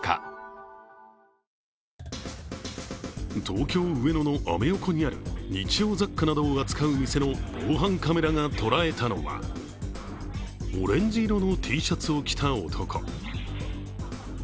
東京・上野のアメ横にある日用雑貨などを扱う店の防犯カメラが捉えたのはオレンジ色のＴシャツを着た男。